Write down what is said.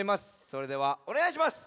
それではおねがいします。